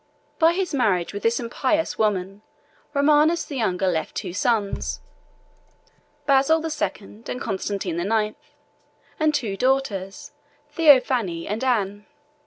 Byz p. 50—M.] By his marriage with this impious woman, Romanus the younger left two sons, Basil the Second and Constantine the Ninth, and two daughters, Theophano and Anne.